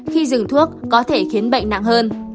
khi dừng thuốc có thể khiến bệnh nặng hơn